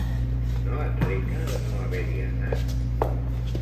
No et reca de no haver-hi anat?